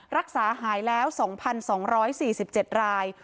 รักษาหายแล้ว๒๒๔๗ราย